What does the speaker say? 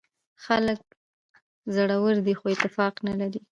خلک زړور دي خو اتفاق نه لري.